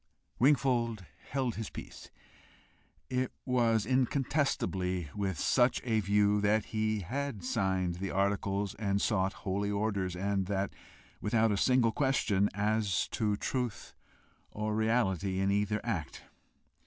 Wingfold held his peace. It was incontestably with such a view that he had signed the articles and sought holy orders and that without a single question as to truth or reality in either act.